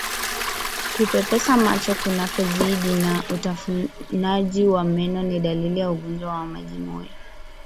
Kupepesa macho kunakozidi na utafunaji wa meno ni dalili za ugonjwa wa majimoyo